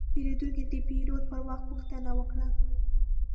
پیرودونکی د پیرود پر وخت پوښتنه وکړه.